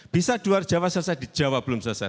bisa di luar jawa selesai di jawa belum selesai